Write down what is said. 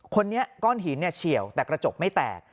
คนนี้ก้อนหินเฉียวแต่กระจกไม่แตก